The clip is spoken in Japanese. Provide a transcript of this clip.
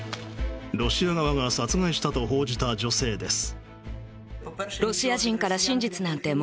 ロシア側が殺害したと報じた女性です。